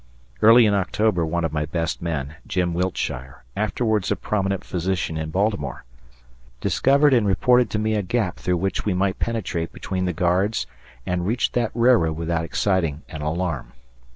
Early in October one of my best men, Jim Wiltshire, afterwards a prominent physician in Baltimore, discovered and reported to me a gap through which we might penetrate between the guards and reach that railroad without exciting an alarm.